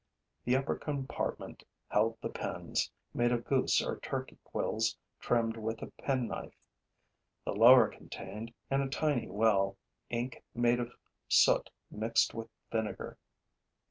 The upper compartment held the pens, made of goose or turkey quills trimmed with a penknife; the lower contained, in a tiny well, ink made of soot mixed with vinegar.